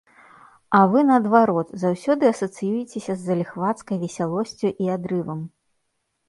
А вы, наадварот, заўсёды асацыюецеся з заліхвацкай весялосцю і адрывам!